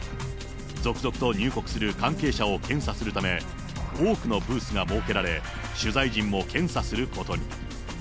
続々と入国する関係者を検査するため、多くのブースが設けられ、取材陣も検査することに。